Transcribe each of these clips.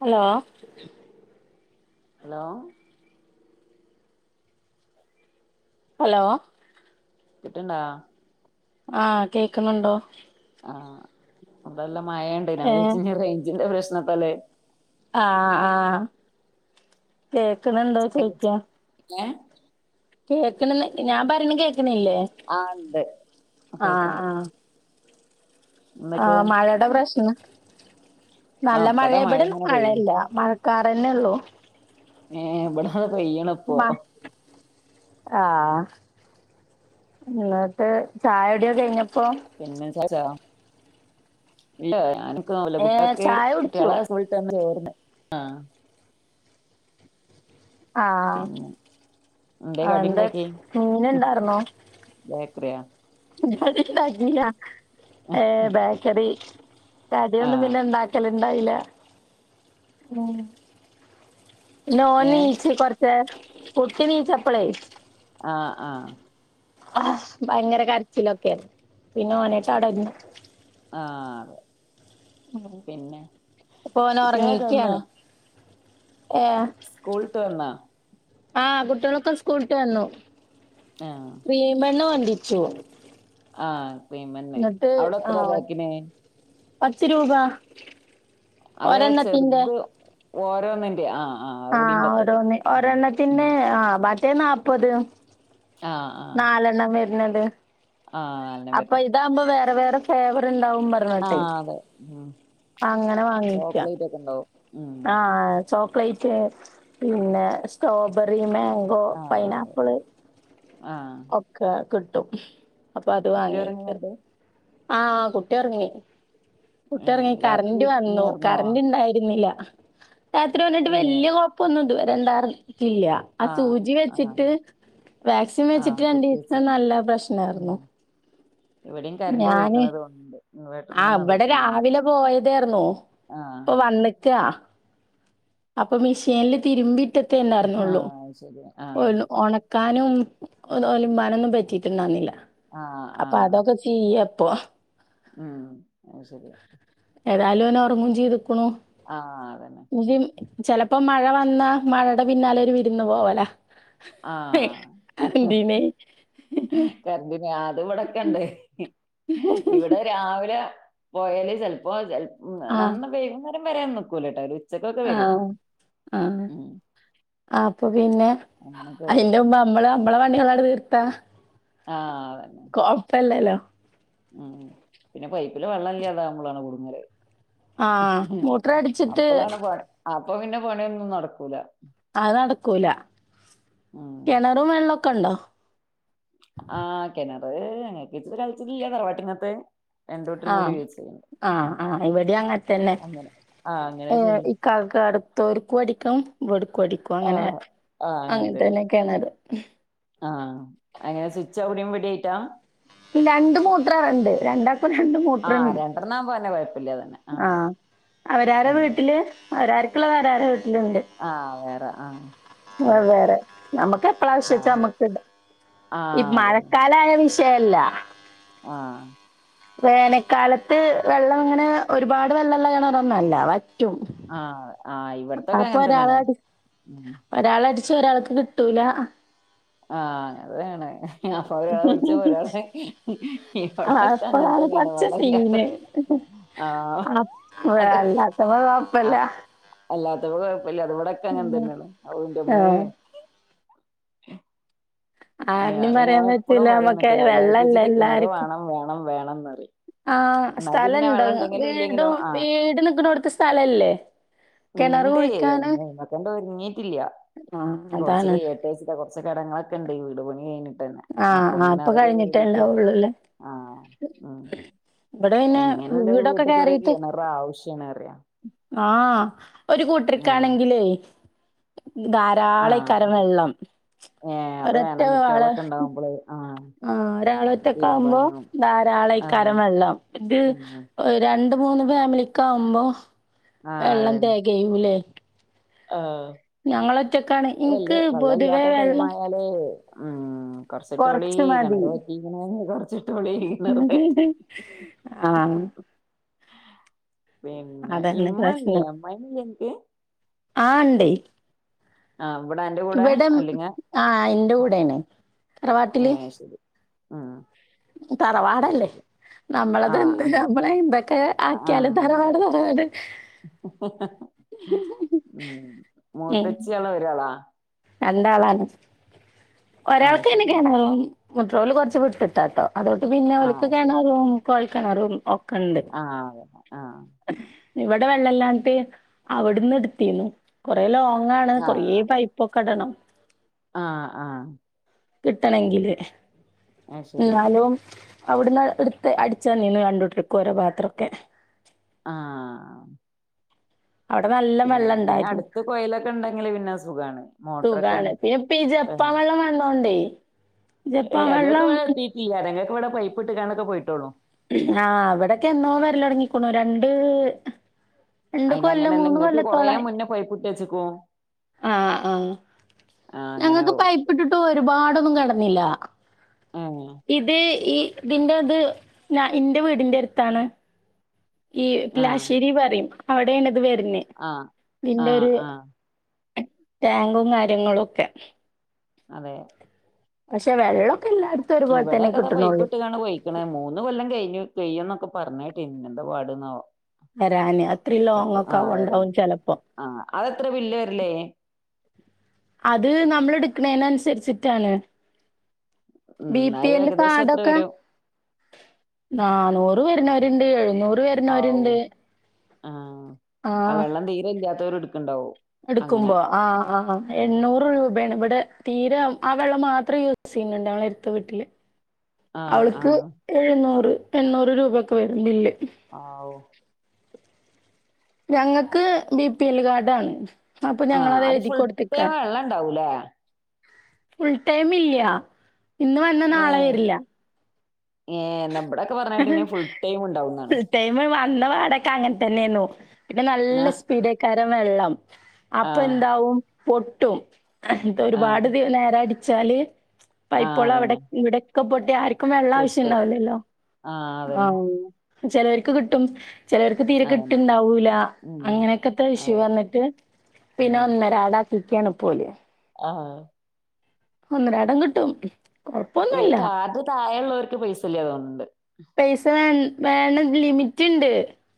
Hello hello hello കിട്ടണ്ടാ ആ കേക്കുണുണ്ടോ? നല്ല മഴണ്ട് ഞാൻ ഏഹ് വിചാരിച്ച് ഇനി റേഞ്ചിന്റെ പ്രശ്നത്താല്ലേ കേക്കണണ്ടോ ചോയ്ക്കാ ഏഹ് കേക്കണ്ന്ന്‌ ഞാൻ പറയണെ കേക്കണില്ലേ ആഹ് ഇണ്ട് ആഹ് കേൾക്ക്ണ്ട് ആഹ് എന്തൊക്കെ ആഹ് മഴയുടെ പ്രശ്ന ആഹ് നല്ല മഴ ഇപ്പതാ ഇബ്ടെ ഇങ്ങനെ പെയ്യ്ണ് മഴയല്ല മഴക്കാറന്നെ ഉള്ളു ഏ ഇവിടന്ന് പെയ്യണ് ഇപ്പൊ ആഹ് എന്നട്ട് ചായുടിയോ കഴിഞ്ഞപ്പോ പ്പോ കഴ്ച്ചോ ഇല്ല ഞാൻ പ്പോ ഏഹ് കുട്ട്യാക്ക് ചായ കുടിച്ചു കുട്ടികളെ സുകുൾ ടൈം ചോറ് ആഹ് ആഹ് പിന്നെ എന്തേ ആ എന്താ കടിണ്ടാക്കി മീൻ ഇണ്ടായിർന്നോ? ശരി [unintelligible] ബി ലിയ [unintelligible] ഏ ബേക്കറി കടിയൊന്നും ആഹ് പിന്നെ ഇണ്ടാക്കല് ഇണ്ടായില്ല ഉം ഓൻ ഏഹ് നീച്ച് കൊറച്ച് കുട്ടിണീച്ചപ്പളേ ആഹ് ആ ആ ഭയങ്കര കരച്ചിലൊക്കെയാരുന്നു പിന്നെ ഓനായിട്ട് അവിടന്ന് ആ അതെ പിന്നെ ഇപ്പൊ ഓൻ കുട്ടികളൊക്കെ വന്നാ ഉറങ്ങിക്കാണ് ഏഹ് സ്കൂള് ട്ട് വന്നാ ആഹ് കുട്ടികളൊക്കെ സ്കൂളിട്ട് വന്നു ആഹ് ക്രീം ബണ്ണു കൊണ്ടറിച്ചു ആഹ് ക്രീം ബണ്ണ് അവിടെ എത്ര ആഹ് പാക്കിന് പത്ത് രൂപ അത് ഒരെണ്ണത്തിന്റെ ചെറുത് ഓരോന്നിന്റെ ആ ആ ഓരോന്ന് ഉം ഒരെണ്ണത്തിന്റെ ആ മറ്റേ നാപ്പത് ആഹ് ആഹ് നാലെണ്ണം വരുന്നത് ആഹ് നാലെണ്ണം അപ്പൊ വരുന്നെ. ഇതാകുമ്പോ വേറെ വേറെ ഫേവർണ്ട് ണ്ടാവും പറഞ്ഞോട്ടെ ആഹ് അതെ ഉം അങ്ങനെ വാങ്ങിക്ക ചോക്ലേറ്റ് ഒക്കെ ഉണ്ടാവും. ഉം ആഹ് ചോക്ലേറ്റ് പിന്നെ സ്ട്രോബെറീ മാ മാങ്കോ ആഹ് അതെ പൈനാപ്പിള് ആഹ് ഒക്കെ കിട്ടും അപ്പൊ അത് കുട്ടി വാങ്ങി ഉറങ്ങുന്നുണ്ട്? ആഹ് കുട്ടി ഒറങ്ങി കുട്ടി ഏഹ് ഒറങ്ങി രാത്രി കറന്റ് നീ വന്നു ഉറങ്ങോ? കറന്റ് ഇണ്ടായിരുന്നില്ല രാത്രി വന്നിട്ട് ഏഹ് വല്യ കൊഴപ്പൊന്നും ഇതുവരെണ്ടാർന്നില്ല ആ ആഹ് സൂചി ആഹ് വെച്ചിട്ട് വാക്സിൻ ആഹ് വെച്ചിട്ട് കുത്തിവെച്ച് രണ്ടീസം നല്ല ഉം പ്രശ്നായിരുന്നു ഇവിടെയും കറണ്ട് ഞാന് പോയിക്കണ് തോന്നുന്നുണ്ട്. ആ ഇൻവേർട്ടർമ്മന്ന് ഇവിടെ അതൊക്കെയായിരുന്നു. രാവിലെ പോയതായിരുന്നു ആഹ് ഇപ്പൊ വന്നിക്കാ അപ്പൊ മിഷീനില് തിരുമ്പിറ്റത്തെ എന്തറന്നള്ളു ആഹ് അത് ശരി ഒ ആഹ് ഉണക്ക കാനും ഒലിബാനൊന്നും പറ്റിട്ടുണ്ടന്നില്ല ആഹ് അപ്പൊ ആഹ് അതൊക്കെ ചെയ്യ അപ്പ ഉം അത് ശരിയാ ഏതാലും ഓന് ഉറങ്ങും ചെയ്തു ആഹ് അതന്നെ ചിലപ്പോ മഴ വന്ന മഴയുടെ പിന്നാലെ ഒരു വിരുന്ന് പോവല ആഹ് ക [unintelligible] ആ അത്വിടക്കെണ്ട് ഇവിടെ രാവിലെ പോയല് ചെലപ്പോ ഉം ആഹ് നന്ന വൈകുന്നേരം വരാന്ന് നക്കൂല ട്ടോ ഒരു ഉച്ചക്കൊക്കെ വരും ആഹ് ആഹ് ഉം അപ്പൊ പിന്നെ അങ്ങനൊക്കെ വരും അതിൻ്റെ മുമ്പ് നമ്മള് നമ്മളെ പണിയങ്ങട്ട് തീർത്താ ആഹ് അതന്നെ കൊഴപ്പല്ലല്ലോ ഉം പിന്നെ പൈപ്പില് വെള്ളംല്ലാതാ വുബളാണ് കുടുങ്ങല് ആഹ് മോട്ടറടിച്ചിട്ട് അപ്പളാണ് പ അപ്പൊ പിന്നെ പണിയൊന്നും നടക്കൂല അത് നടക്കൂല ഉം കിണറും വെള്ളമൊക്കെ ഉണ്ടോ ആഹ് കെണറ് നങ്ങക്ക് സ്വന്തംയിട്ടില്ല തറവാട്ടിങ്ങത്തെ ആഹ് ആഹ് ആഹ് ഇവിടെ അങ്ങത്തന്നെ അങ്ങനെ ആഹ് അങ്ങനെ ഏ ചെയ്യും ഈ കാലക്ക അടുത്തൊരിക്കും പടിക്കും പടിക്കും അങ്ങനെ ആഹ് ആഹ് അങ്ങൻ അങ്ങനത്തെ തന്നെ തന്നെയൊക്കെയണത് ആഹ് അങ്ങനെ സ്വിച്ച് എവിടെ പിടി കിട്ട രണ്ട് മൂത്ര രണ്ട് രണ്ട് അപ്പനണ്ട് ആഹ് മൂത്രണ്ട് രണ്ടെണ്ണം പോന്നെ കൊഴപ്പില്ല തന്നെ ആഹ് അവരാര ഉം വീട്ടില് മാരാര്ക്കൊള മാരാര് ആഹ് വേറെ ആഹ് അതെ വേറെ നമ്മുക്ക് എപ്പഴാവിശ്യച്ചാ ആഹ് നമ്മുക്ക് ഇണ്ട് ഈ ആഹ് അതന്നെ മഴക്കാല ആ വിശയല്ലാ ആഹ് വേനൽക്കാലത്ത് വെള്ളം ഇങ്ങനെ ഒരുപാട് വള്ളൊള കിണറൊന്നല്ല വറ്റും ആഹ് ആഹ് ഇവിടത്തൊക്കെ അപ്പൊ അങ്ങനെ തന്നെയാണ് ഉം പക്ഷെ ഒരാൾക്ക് കിട്ടൂല ആഹ് അങ്ങനേണ് അപ്പൊ ഒരാള് പിടിച്ച ഒരാള് ഈ ആഹ് പടൊക്കെ അപ്പളാണ് അങ്ങനത്തെന്നെയണ വള്ളല്ലാത്ത ആണൊ വേനല്ലാത്തപ കൊഴപ്പല്ല അല്ലാത്തപ കൊഴപ്പല്ല അത് ഇവിടൊക്കെ അങ്ങന തന്നെയാണ് അവുന്റെമ്മേ ആഹ് ഏ ആരിനിം അത് ഞാൻ പറയാൻ എപ്പോഴും പറ്റൂല നമ്മക്ക് പറയുന്നിട്ട് വെള്ളല്ലേ അവലക്കിച്ചിട്ട് കിണറ് എല്ലാര്ക്കും. വേണം വേണം വേണംന്നറിയും ആഹ് സ്ഥലുണ്ട് വീടും ആഹ് വീട് നിക്കുന്നൊടത്ത് സ്ഥലല്ലേ കെണറ് ഉണ്ട് കുഴിക്കാന് അയ്മക്കണ്ട് ഒരുങ്ങി നീങ്ങിട്ടില്ല ആഹ് അതാണ് കുറച്ച്കയട്ടെ വച്ചിട്ടാ കുറച്ച് കടങ്ങളൊക്കെ ഉണ്ട് ഈ വീട് പണി കഴിഞ്ഞട്ട് ആഹ് അപ്പൊ ആഹ് ഇങ്ങനെ അതൊക്കെ കഴിഞ്ഞിട്ടേ കേടിട്ട് ഇണ്ടാവൊള്ളൂല്ലേ. ആഹ് ഉം ഇബടെ പിന്നെ എങ്ങനെയുള്ള ഒരു വീടൊക്കെ വീട്ടക്കൊരു കേറീട്ട് കിണറ് ആവശ്യം ആഹ് ഒരു ആഹ് കൂട്ടരക്കാണെങ്കിലേ ധാരാളക്കാരം ആഹ് വെള്ളം ഏഹ് അത് ഒരറ്റ വേണം ആള് കുട്ട്യാളൊക്കെ ഇണ്ടാവുമ്പള് ആഹ് ആ ഒരാള് ഒറ്റ ഒക്കെ ആവുമ്പോ തിരുമ്പാനും ധാരാളം ആഹ് കരം വെള്ളം ഉം രണ്ടു മൂന്ന് ഫാമിലിക്ക് ആവുമ്പോ ആഹ് വെള്ളം അതന്നെ തേകയുല്ലേ ആഹ് അതല്ല് ഇൻക്ക് വെള്ളം പൊതുവേ ഇല്ലാത്ത ടൈം വെള്ളം ആയാല് ആ കൊറച്ചിട്ടൊളീ കൊറച്ച് മതി കിണറ് പറ്റീക്കണു കൊറച്ചിട്ടോളീ കിണറ് പറ്റി [inaudible] പിന്നെ അതാണ് ഇമ്മ ഇല്ലയേ അമ്മായിമ എന്തിയെ ആണ്ടേ ആഹ് ഇവിടെ അന്റെ കൂടെ ഇവിടെം അല്ലെങ്കി ആ എന്റെ കൂടെയാണ് ആ ശെരി തറവാടല്ലേ ആഹ് നമ്മളതെന്ത് ആഹ് നമ്മളന്തൊക്കെ ആക്കിയാല് ആഹ് തറവാട് തറവാട് ഉം മൂത്തച്ചിയുള്ള ഒരാളാ നല്ല ആളാണ് ആഹ് ഒരാൾക്ക് ശരിയാ എനിക്കാണേൽ മെട്രോൽ കുറച്ചു വിട്ടിട്ടാട്ടോ അതുകൊണ്ട് പിന്നെ ഓൽക്ക് ആഹ് കെണറും കോൽക്കിണറും ഒക്കെ ഉണ്ട് ആ അതെ ആ ഇവിടെ വെള്ളല്ലാഞ്ഞിട്ട് അവിടെന്ന് എടുത്തിന്നു കൊറെ ലോംഗ് ങ്ങാണ് കൊറേ പൈപ്പൊക്കെ ഇടണം ആ ആ കിട്ടണെങ്കില് അത് ശരി എന്നാലും അവിടെന്ന് എടുത്ത് അടിച്ചതന്നീന് രണ്ടുട്ടർക്കും ഓരോ പാത്രൊക്കെ ആ അവിടെ നല്ല വെള്ളം പിന്ന പിന്നെ ഉണ്ടായിരുന്നു അടുത്ത കൊയലൊക്കെ ഉണ്ടെങ്കില് പിന്നെ സുഖാണ് സുഖാണ് മോട്ടറൊക്കെണ്ട് പിന്നെ ഇപ്പ ഈ ജപ്പാൻ ഏഹ് വെള്ളം വന്നോണ്ടേ ജപ്പാൻ വെള്ളം ഞങ്ങക്കിവിടെ പൈപ്ഇട്ടുകാണ്ടോക്കെപൊയിട്ടുള്ളു ആ അവിടൊക്കെ എന്നോ വരലൊടങ്ങിക്കണു രണ്ട് രണ്ട് അയിന്റെ കൊല്ലം അങ്ങനെയല്ല മൂന്ന് ഇങ്ങക്ക് കൊല്ലത്തോളായി കൊറേമുന്നേ പൈപ്പിട്ടുവച്ചേക്കു ആ ആ ആഹ് അങ്ങനെ ഞങ്ങക്ക് ആവും പൈപ്പിട്ടിട്ട്പോയ് ഒരുപാടൊന്നും കെടന്നില്ല ഏഹ് ഇത് ഈ ഇതിൻറെ അത് ഞാ എൻറെ വീടിന്റെ അടുത്താണ് ഈ ആഹ് ലാശ്ശേരി പറയും അവിടെയാണത് വരുന്നേ ആഹ് നിന്റെ ആഹ് ഒരു ആഹ് ടാങ്കും കാര്യങ്ങളും ഒക്കെ അതെ പക്ഷെ വെളളം ഇവിടൊക്കെതാ പൈപ്പിട്ടുക്കാണ് പോയിക്കണേ മൂന്നുകൊല്ലം കഴിഞ്ഞു പെയ്യൂന്നൊക്കെ പറഞ്ഞിട്ട് ഇന്നെന്താ പാടുന്നാവോ വരാന് അത്രയും ലോങ് എട്ട് ആ ഒക്കെ വരാൻ ഉണ്ടാവും ചിലപ്പോ ആ അതെത്ര ബില്ല് വരല് അത് നമ്മൾ എടുക്കണേന് അനുസരിച്ചിട്ടാണ് ഉം ബി പി അത് എല്ല് ഏകദേശം എത്ര കാഡൊക്കെ വരും നാനൂറ് വരണവര് ണ്ട് എഴുന്നൂറ് വരണവരുണ്ട് ആ ആ വെള്ളം തീരെ ഇല്ലാത്തവര് എടുക് എടുക്കുമ്പോ ആ ആ എണ്ണൂറ് രൂപായാണ് ടെ തീരെ ആ വെള്ളം മാത്രം യൂസ് ചെയ്യുന്നുണ്ട് അവള് എടുത്ത വീട്ടില് ആഹ് അവൾക്ക് ആഹ് എഴുന്നൂറ് എണ്ണൂറ് രൂപയൊക്കെ വരും ബില്ല് ഔ ഞങ്ങക്ക് ബി പി എൽ കാഡാണ് അപ്പൊ ആഹ് ഞങ്ങളത് അത് എഴുതി ഫുൾ ടൈം കൊടുത്തേക്കാണ് വെള്ളം ഇണ്ടാവൂലേ ഫുൾ ടൈം ഇല്ലാ ഇന്ന് വന്നാ നാളെ വരില്ല ഏ നമ്മുടെയൊക്കെ പറണകേട്ടിനെ ഫുൾടൈം ഉണ്ടാവുന്നാണ് ഫുൾ ടൈം വന്ന പാടൊക്കെ അങ്ങനെ തന്നെയാന്നു പിന്നെ നല്ല ആഹ് സ്പീഡേക്കാരം വെള്ളം അപ്പൊ ആഹ് എന്താവും പൊട്ടും ഇത് ആഹ് ഒരുപാട്നേരം അടിച്ചാല് പൈപ്പ് ആഹ് വെള്ളം അവിടെ അതന്നെ ഇവിടൊക്കെ പൊട്ടി ആർക്കും വെള്ളം ആവശ്യ പൊട്ടും ജ്ണ്ടാവ്ലല്ലോ ആഹ് അതന്നെ ആഹ് ചിലവർക്ക് കിട്ടും ചിലർക്ക് തീരെ അതന്നെ കിട്ടുണ്ടാവൂല ഉം അങ്ങനെയൊക്കെത്തെ ഇഷ്യു അതെ വന്നിട്ട് പിന്നെ ഉം ഒന്നരാടാക്കിക്കാണ് പോല് ആഹ് ഒന്നരാടം കിട്ടും വെയ് കൊഴപ്പൊന്നുല്ല. കാർഡ് താഴെള്ളോർക്ക് പൈസ ഇല്ലാ തൊന്ന്ണ്ട് പൈസ വേ വേണം ലിമിറ്റ്ണ്ട്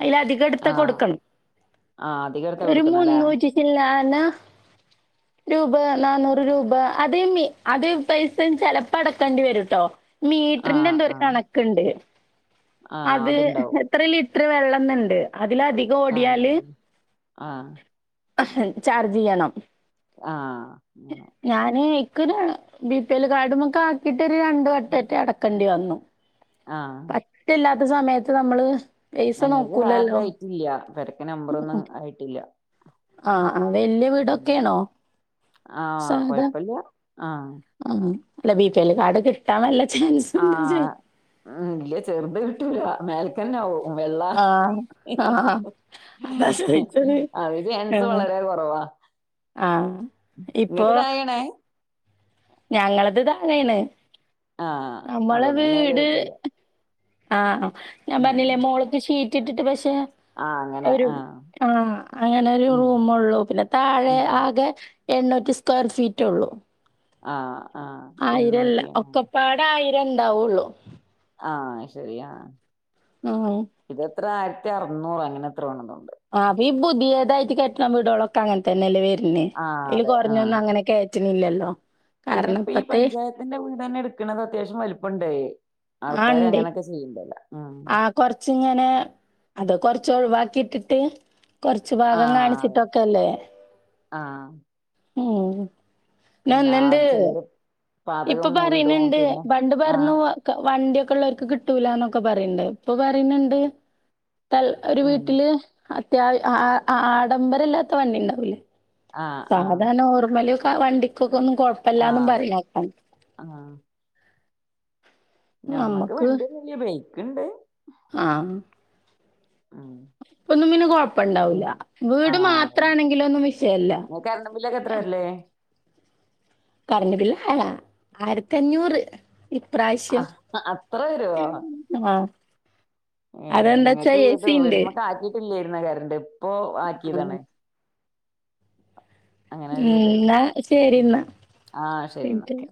അയിൽ അധികംട്ത്താ ആഹ് കൊടുക്കണം ആഹ് അധികം എടുത്താ ഒരു കൊടുക്കണല്ലേ മുന്നൂറ്റിച്ചില്ലാ ന്ന രൂപ നന്നൂറ് രൂപ അത് മി അത് പൈസ ചെലപ്പോ അടക്കേണ്ടി വരുട്ടോ മീറ്ററിന്റെ ആഹ് എന്തോ ഒരു ആഹ് കണക്ക്ണ്ട് ആഹ് അത് അതുണ്ടാവും എത്ര ലി ത്ര വെള്ളം ന്നുണ്ട് അതിലധികം ആഹ് ഓടിയാല് ആഹ് ചാർജ് ചെയ്യണം ആഹ് അങ്ങനെ ക്കരാണ് ബി പി എൽ കാർഡ്മക്ക് ആക്കിട്ട് ഒരു രണ്ട് വട്ടംറ്റെ അടക്കേണ്ടി വന്നു ആഹ് പറ്റില്ലാത്ത സമയത്ത് നമ്മള് പൈസ ഞങ്ങൾക്ക് കാർഡ് നോക്കൂലല്ലോ ആയിട്ടില്ല പെരക്ക് നമ്പറൊന്നും ഉം. ആയിട്ടില്ല ആ ആ വല്യ ഉം വീടൊക്കെണോ ആഹ് സാധാ കൊഴപ്പില്ല ആഹ് ആഹ് അല്ല ബി പി എൽ കാർഡ് കിട്ടാൻ നല്ല ചാൻസ് ഉണ്ടെ ചോയ് ആഹ് ഉം ഇല്ല ചെറുത് കിട്ടൂല മേൽക്കന്നാവും വെള്ളാ ആഹ് ആഹ് അതാ ചോയിച്ചത് അത് ചാൻസ് ആഹ് വളരെ കുറവാ ആഹ് ഇപ്പൊ ഇങ്ങക്ക് തായെണ് ഞങ്ങളത് താഴെണ് ആഹ് അമ്മളെ അതുകൊണ്ട് പിന്നെ വല്യ വീട് കുഴപ്പമില്ല ആഹ് ഞാൻ ഉം പർഞ്ഞിലെ മോള്ക്ക് ഷീറ്റ് ഇട്ടിട്ട് പക്ഷേ ആഹ് അങ്ങനെ ഒരു ആഹ് ആഹ് അങ്ങനെ ഒരു ഉം റൂമോള്ളൂ പിന്നെ താഴെ ഉം ആകെ എണ്ണൂറ്റി സ്ക്വയർ ഫീറ്റ് ഒള്ളൂ ആഹ് ആഹ് ആയിരംല്ല എണ്ണൂറ്റി ഒക്കപ്പാടെ ആയിരംണ്ടാവുള്ളു ആഹ് അഹ് ശെരിയാ ഉം ഇത് എത്ര ആയിരത്തി അറുന്നൂറ് അങ്ങനെ എത്ര ആണ്പ്പം ആഹ് ഈ ബുതിയതായിട്ട് കെട്ട്ണ വിടോളൊക്കെ അങ്ങൻ തന്നെ അല്ലേ വെര് പിന്നെ ആഹ് അയ്ല് അതെ ആഹ് കോർഞ്ഞൊന്നും അങ്ങനെ കേറ്റ്ണില്ലല്ലോ പിന്നെ കാരണം ഇപ്പ ഈ ഇപ്പത്തെ പഞ്ചായത്തിന്റെ വീടെന്നെ ഇട്ക്ണത് അത്യാവശ്യം വലിപ്പണ്ട് ആഹ് ആൾക്കാര് ഇണ്ടേ അങ്ങനെക്കെ ചെയ്യ്ണ്ടല്ലോ ഉം ങ്ങനെ അത് ചോവ്വാക്കിട്ടിട്ട് കൊർച്ച് ഭാഗം ആഹ് കാണിച്ചിട്ടൊക്കെല്ലേ ആഹ് ഉം പിന്നെ ആ ന്നന്ന്ണ്ടെ ചിലര് ഇപ്പ പാതകം മൂടിടും പറയ്ന്ന്ണ്ട് പിന്നെ പണ്ട് ആഹ് പർഞ്ഞു വണ്ടിക്കെ ഉള്ളോർക്ക് കിട്ടൂലന്നൊക്കെ പറിണ്ട് ഇപ്പൊ പറിയ്ന്നുണ്ട് തഹ് ഒരു ഉം വീട്ടില് അത്യാവ അഹ് ആഹ് അഹ് ആഹ് ആഡംബരല്ലാത്ത വണ്ടി ഇണ്ടാവൂ ആഹ് ആഹ് സാധാ നോർമ്മല് ക്ക വണ്ടിക്കൊ പ്പോന്നും ആഹ് കൊഴപ്പല്ലാന്നും അതന്നെ പറിണേക്കാ ആഹ് ഞമ്മക്ക് വണ്ടിന്നും ഇല്ല ബൈക്ക് ഇണ്ട് ആമ്മ് ഉം ഒന്നും പിന്നെ കൊഴപ്പുണ്ടാവൂല്ല വീട് മാത്ര ആഹ് ആണെങ്കിലും ഒന്നും വിഷയല്ല കറണ്ട് ബില്ലൊക്കെ എത്ര വരല് കറണ്ട് ബില്ല് ആ ആയിരത്തി അഞ്ഞൂറ് ആ ഇപ്രാവശ്യം അത്ര വരുവോ ആഹ് ഏഹ് അതെന്താച്ചാ ഞങ്ങക്ക് എ വീട് സി ഇണ്ട് വീട്മ്മക്കാക്കി ഇല്ലേര്ന്നു കരണ്ട് ഇപ്പൊ ഉം ആക്കിയതാണ് അങ്ങനെ ന്നാ ശരി ഉം ആഹ് ശെരി എന്നാ ന്നാ ഒക്കെ